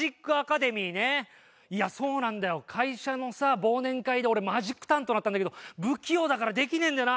会社のさ忘年会で俺マジック担当になったんだけど不器用だからできねえんだよな。